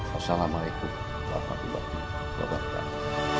wassalamualaikum warahmatullahi wabarakatuh